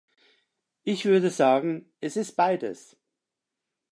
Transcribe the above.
Ich würde sagen, es ist beides.